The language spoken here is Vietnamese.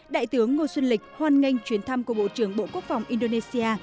đại tướng ngô xuân lịch hoan nghênh chuyến thăm của bộ trưởng bộ quốc phòng indonesia